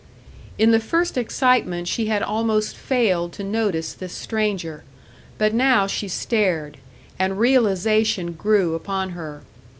In the first excitement she had almost failed to notice this stranger; but now she stared, and realisation grew upon her.